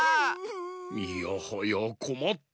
いやはやこまった。